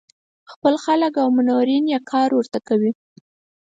خپل خلک او منورین یې کار ورته کوي.